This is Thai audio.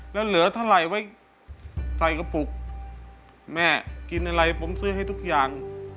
แล้วเหลือเท่าไหร่ไว้ใส่กระปุกแม่กินอะไรผมซื้อให้ทุกอย่าง